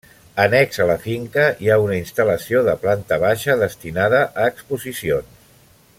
Annex a la finca hi ha una instal·lació de planta baixa destinada a exposicions.